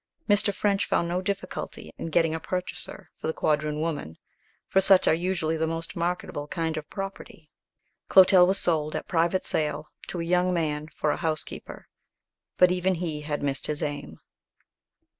Mr. French found no difficulty in getting a purchaser for the quadroon woman, for such are usually the most marketable kind of property. Clotel was sold at private sale to a young man for a housekeeper; but even he had missed his aim.